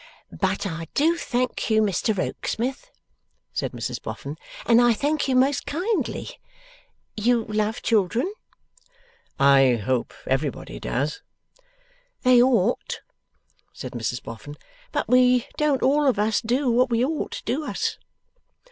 'But I do thank you, Mr Rokesmith,' said Mrs Boffin, 'and I thank you most kindly. You love children.' 'I hope everybody does.' 'They ought,' said Mrs Boffin; 'but we don't all of us do what we ought, do us?